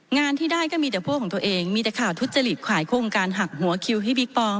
งานที่ได้ก็มีแต่พวกของตัวเองมีแต่ข่าวทุจริตขายโครงการหักหัวคิวให้บิ๊กปอง